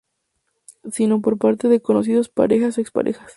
sino por parte de conocidos, parejas o exparejas